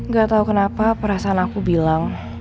gak tau kenapa perasaan aku bilang